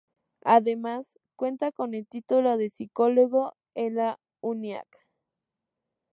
Además cuenta con el título de psicólogo en la Uniacc.